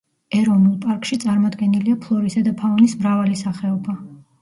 ეროვნულ პარკში წარმოდგენილია ფლორისა და ფაუნის მრავალი სახეობა.